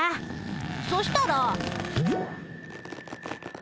そしたら。